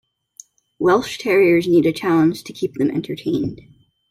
Welsh Terriers need a challenge to keep them entertained.